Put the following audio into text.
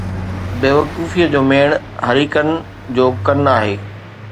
بيوقوفيءَ جو ميڙ“ حریفن جو ڪن آهي